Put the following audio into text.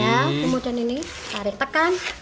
ya kemudian ini tarik tekan